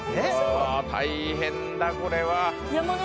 うわ大変だこれは。